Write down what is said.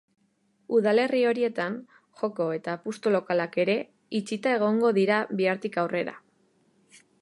Udalerri horietan joko eta apustu-lokalak ere itxita egongo dira bihartik aurrera.